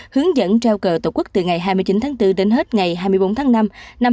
hướng dẫn trao cờ tổ quốc từ ngày hai mươi chín tháng bốn đến hết ngày hai mươi bốn tháng năm năm hai nghìn hai mươi bốn